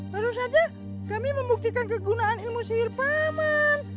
baru saja kami membuktikan kegunaan ilmu sihir paman